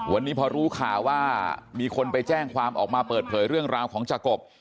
วันนี้พอรู้ข่าวว่ามีคนไปแจ้งความออกมาเปิดเผยเรื่องราวของจากกบ